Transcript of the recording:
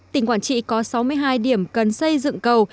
tỉnh quảng trị có sáu mươi hai điểm cần xây dựng cầu